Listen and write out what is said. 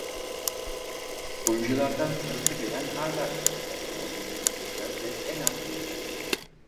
Oyunculardan sırası gelen hala içinde taş olan bir grup seçer ve en az bir taş alır.